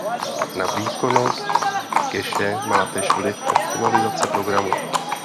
Na výkonnost cache má též vliv optimalizace programu.